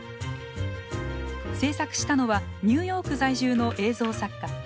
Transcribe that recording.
制作したのはニューヨーク在住の映像作家